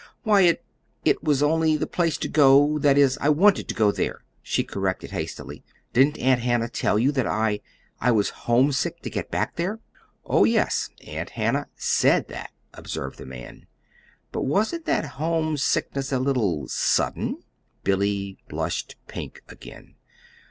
"Why, it it was the only place to go that is, I WANTED to go there," she corrected hastily. "Didn't Aunt Hannah tell you that I I was homesick to get back there?" "Oh, yes, Aunt Hannah SAID that," observed the man; "but wasn't that homesickness a little sudden?" Billy blushed pink again.